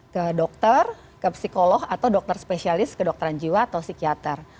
ke dokter ke psikolog atau dokter spesialis kedokteran jiwa atau psikiater